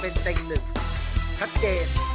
เป็นเต็งหนึ่งชัดเจน